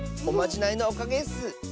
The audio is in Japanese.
おまじないのおかげッス。